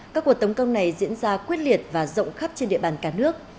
các cuộc tấn công này diễn ra quyết liệt và rộng khắp trên địa bàn cả nước